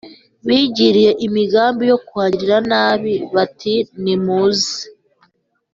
bigiriye imigambi yo kuhagirira nabi bati Nimuze